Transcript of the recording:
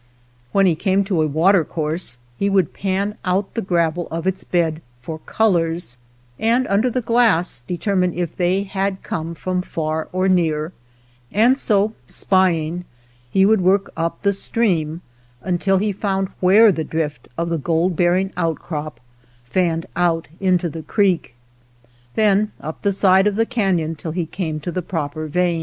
When he came to a watercourse he would pan out the gravel of its bed for " colors," and under the glass determine if they had come from far or near, and so spy ing he would work up the stream until he found where the drift of the gold bearing outcrop fanned out into the creek ; then up the side of the caiion till he came to the proper vein.